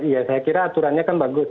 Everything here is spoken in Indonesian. ya saya kira aturannya kan bagus